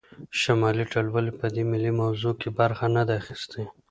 شمالي ټلوالې په دې ملي موضوع کې برخه نه ده اخیستې